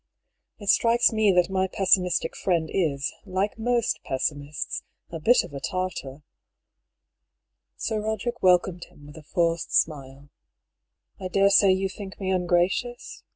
It strikes me that my pessimistic friend is, like most pessimists, a bit of a Tartar." Sir Boderick welcomed him with a forced smile. " I daresay you think me ungracious